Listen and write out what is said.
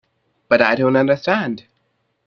But I don't understand.